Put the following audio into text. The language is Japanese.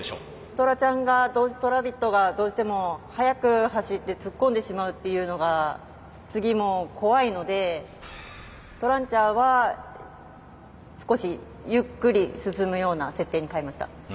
トラちゃん側とラビットがどうしても速く走って突っ込んでしまうっていうのが次も怖いのでトランチャーは少しゆっくり進むような設定に変えました。